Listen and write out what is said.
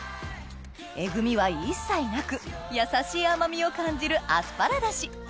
えぐみは一切なくやさしい甘みを感じるアスパラ出汁